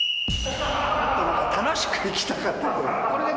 楽しくいきたかったのに。